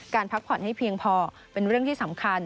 พักผ่อนให้เพียงพอเป็นเรื่องที่สำคัญ